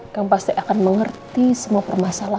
kamu pasti akan mengerti semua permasalahan yang